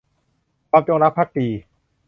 ความจงรักภักดี